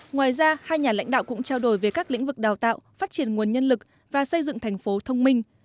ngoài ra hai nhà lãnh đạo cũng trao đổi về các lĩnh vực đào tạo phát triển nguồn nhân lực và xây dựng thành phố thông minh